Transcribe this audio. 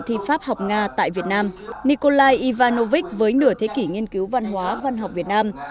thi pháp học nga tại việt nam nikolai ivanovich với nửa thế kỷ nghiên cứu văn hóa văn học việt nam